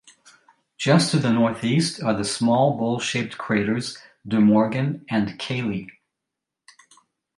Just to the northeast are the small, bowl-shaped craters De Morgan and Cayley.